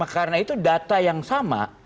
karena itu data yang sama